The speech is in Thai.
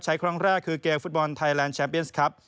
ครั้งแรกคือเกมฟุตบอลไทยแลนด์แชมเปียนส์ครับ